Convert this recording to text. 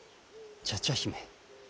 茶々姫。